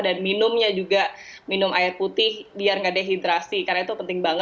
dan minumnya juga minum air putih biar nggak dehidrasi